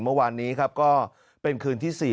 เมื่อวานนี้ครับก็เป็นคืนที่๔